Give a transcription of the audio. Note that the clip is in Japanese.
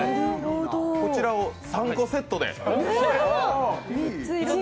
こちらを３個セットで。